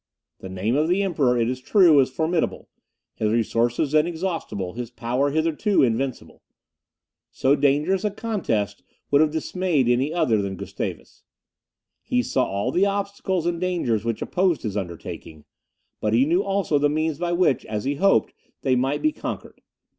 The name of the Emperor, it is true, was formidable, his resources inexhaustible, his power hitherto invincible. So dangerous a contest would have dismayed any other than Gustavus. He saw all the obstacles and dangers which opposed his undertaking, but he knew also the means by which, as he hoped, they might be conquered.